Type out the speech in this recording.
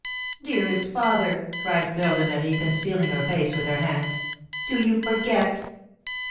"Dearest father!" cried Fleur de Marie, concealing her face with her hands, "do you forget?"